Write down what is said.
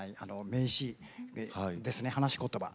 名詞ですね話し言葉。